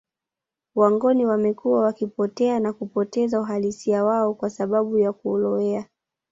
Wangoni wamekuwa wakipotea na kupoteza uhalisia wao kwa sababu ya kulowea